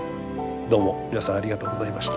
どうも皆さんありがとうございました。